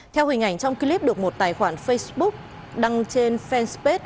theo hình ảnh trong clip được một tài khoản facebook đăng trên fanpage